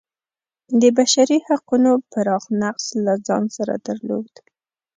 د بشري حقونو پراخ نقض له ځان سره درلود.